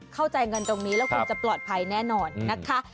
เข้าใจเงินตรงนี้แล้วคุณจะปลอดภัยแน่นอนนะคะ